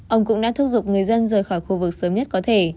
ông cũng đã thúc giục người dân rời khỏi khu vực sớm nhất có thể